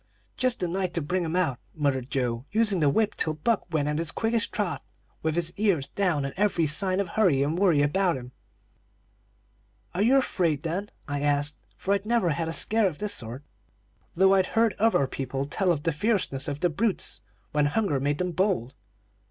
"'Just the night to bring 'em out,' muttered Joe, using the whip till Buck went at his quickest trot, with his ears down and every sign of hurry and worry about him. "'Are you afraid of them?' I asked, for I'd never had a scare of this sort, though I'd heard other people tell of the fierceness of the brutes when hunger made them bold.